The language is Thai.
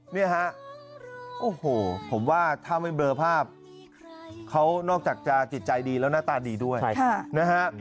เนี่ยฮะโอ้โหผมว่าถ้าไม่เบลอภาพเขานอกจากจะจิตใจดีแล้วหน้าตาดีด้วยนะฮะ